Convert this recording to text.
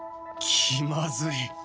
気まずい